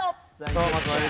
さあまずはＡぇ！